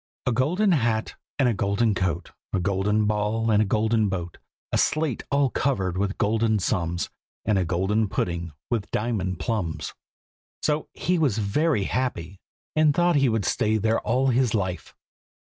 A golden hat and a golden coat, A golden ball and a golden boat, A slate all covered with golden sums, And a golden pudding with diamond plums. So he was very happy, and thought he would stay there all his life.